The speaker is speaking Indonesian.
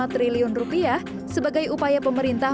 lima puluh tujuh tujuh puluh lima triliun rupiah sebagai upaya pemerintah